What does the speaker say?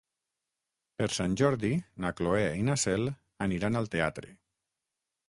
Per Sant Jordi na Cloè i na Cel aniran al teatre.